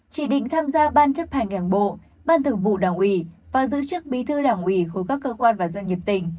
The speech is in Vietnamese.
chỉ định tham gia ban chấp hành đảng bộ ban thường vụ đảng ủy và giữ chức bí thư đảng ủy khối các cơ quan và doanh nghiệp tỉnh